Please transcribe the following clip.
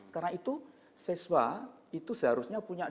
karena itu seswa itu seharusnya punya